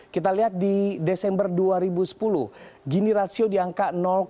kita lihat di desember dua ribu sepuluh gini rasio di angka tiga ratus delapan puluh dua